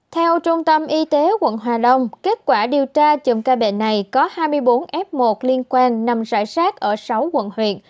theo trung tâm y tế quận hòa long kết quả điều tra chùm ca bệnh này có hai mươi bốn f một liên quan nằm rải rác ở sáu quận huyện